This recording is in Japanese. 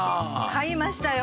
買いましたよ。